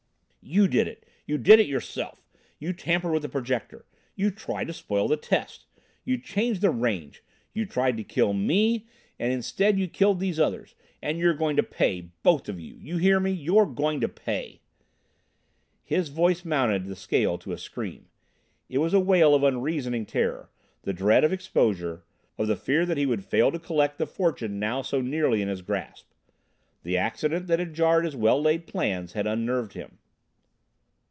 "You did it you did it yourself! You tampered with the Projector. You tried to spoil the test. You changed the range. You tried to kill me, and instead you killed these others. And you're going to pay both of you. You hear me? you're going to pay!" His voice mounted the scale to a scream. It was a wail of unreasoning terror, of the dread of exposure, of the fear that he would fail to collect the fortune now so nearly in his grasp. The accident that had jarred his well laid plans had unnerved him.